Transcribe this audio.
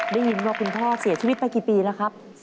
ได้ยินว่าคุณพ่อเสียชีวิตไปกี่ปีแล้วครับ